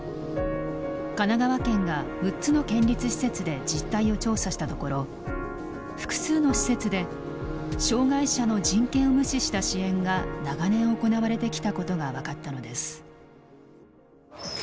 神奈川県が６つの県立施設で実態を調査したところ複数の施設で障害者の人権を無視した支援が長年行われてきたことが分かったのです。